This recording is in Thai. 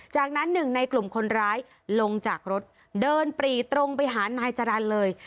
จากนั้นหนึ่งในกลุ่มคนร้ายลงจากรถเดินปรีตรงไปหานายจรรย์เลย